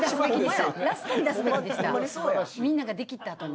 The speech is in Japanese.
みんなが出きったあとに。